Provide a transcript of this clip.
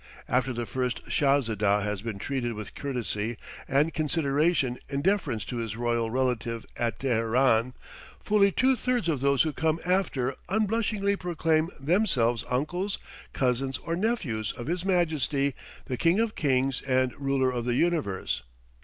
After the first "Shahzedah" has been treated with courtesy and consideration in deference to his royal relative at Teheran, fully two thirds of those who come after unblushingly proclaim themselves uncles, cousins, or nephews of "His Majesty, the King of Kings and Ruler of the Universe!"